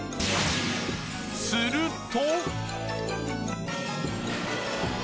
すると。